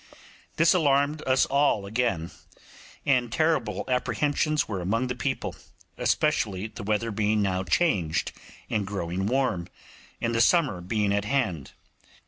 This alarmed us all again, and terrible apprehensions were among the people, especially the weather being now changed and growing warm, and the summer being at hand.